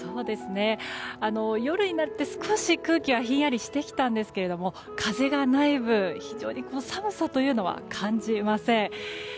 夜になって少し空気はひんやりしてきたんですけど風がない分寒さというのは感じません。